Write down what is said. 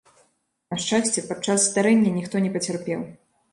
На шчасце, падчас здарэння ніхто не пацярпеў.